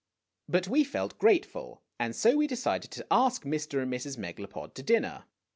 But we felt grateful, and so we decided to ask Mr. and Mrs. Megalopod to dinner.